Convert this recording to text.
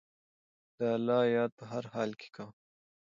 د الله یاد په هر حال کې کوه.